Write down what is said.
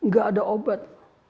gak ada obat